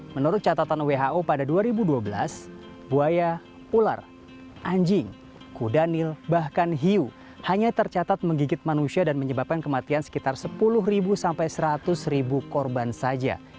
menurut catatan who pada dua ribu dua belas buaya ular anjing kudanil bahkan hiu hanya tercatat menggigit manusia dan menyebabkan kematian sekitar sepuluh sampai seratus korban saja